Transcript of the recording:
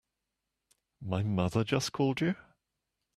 My mother just called you?